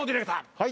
はい。